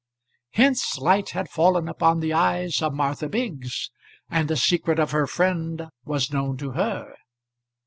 Hence light had fallen upon the eyes of Martha Biggs, and the secret of her friend was known to her.